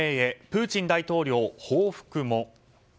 プーチン大統領報復も。